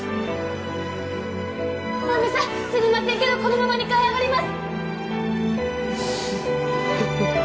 お梅さんすみませんけどこのまま２階上がります